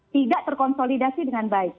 tidak terkonsolidasi dengan baik